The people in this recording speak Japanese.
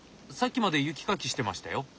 さっきまで雪かきしてましたよ。